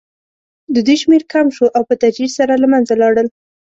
د دوی شمېر کم شو او په تدریج سره له منځه لاړل.